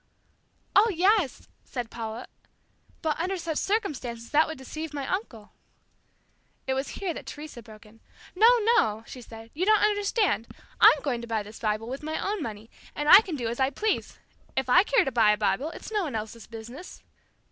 "Oh, yes," said Paula, "but under such circumstances that would deceive my uncle." It was here that Teresa broke in. "No, no," she said, "you don't understand. I'm going to buy this Bible with my own money, and I can do as I please. If I care to buy a Bible, it's no one else's business."